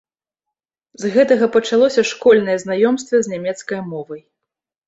З гэтага пачалося школьнае знаёмства з нямецкай мовай.